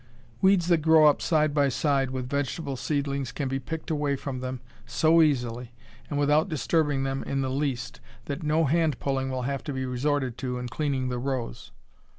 Weeds that grow up side by side with vegetable seedlings can be picked away from them so easily, and without disturbing them in the least, that no hand pulling will have to be resorted to in cleaning the rows.